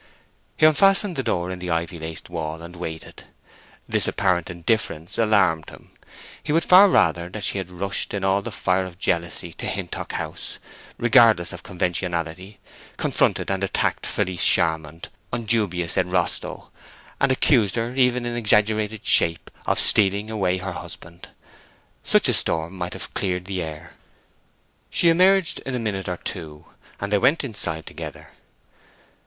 He unfastened the door in the ivy laced wall, and waited. This apparent indifference alarmed him. He would far rather that she had rushed in all the fire of jealousy to Hintock House, regardless of conventionality, confronted and attacked Felice Charmond unguibus et rostro, and accused her even in exaggerated shape of stealing away her husband. Such a storm might have cleared the air. She emerged in a minute or two, and they went inside together.